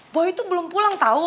boy tuh belum pulang tau